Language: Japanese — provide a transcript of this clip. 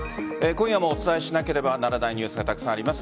今夜もお伝えしなければならないニュースがたくさんあります。